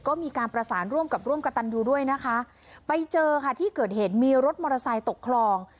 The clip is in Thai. ก็มีการประสานร่วมกับร่วมกระตันยูด้วยนะคะไปเจอค่ะที่เกิดเหตุมีรถมอเตอร์ไซค์ตกคลอง